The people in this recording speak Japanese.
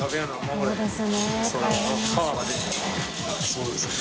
そうですね